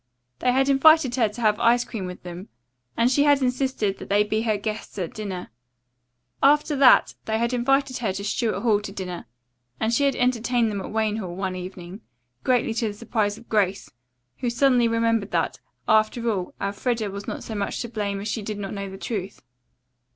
They had invited her to have ice cream with them, and she had insisted that they be her guests at dinner. After that they had invited her to Stuart Hall to dinner and she had entertained them at Wayne Hall one evening, greatly to the surprise of Grace, who suddenly remembered that, after all, Elfreda was not so much to blame as she did not know the truth.